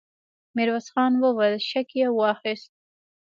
ميرويس خان وويل: شک يې واخيست!